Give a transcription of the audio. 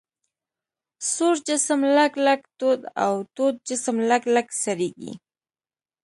سوړ جسم لږ لږ تود او تود جسم لږ لږ سړیږي.